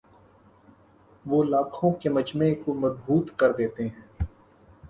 وہ لاکھوں کے مجمعے کو مبہوت کر دیتے ہیں